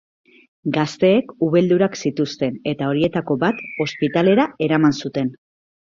Gazteek ubeldurak zituzten eta horietako bat ospitalera eraman zuten.